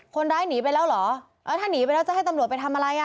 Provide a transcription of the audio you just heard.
คนร้ายหนีไปแล้วเหรอเออถ้าหนีไปแล้วจะให้ตำรวจไปทำอะไรอ่ะ